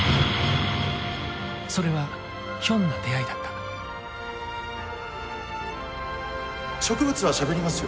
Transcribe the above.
それはひょんな出会いだった植物はしゃべりますよ。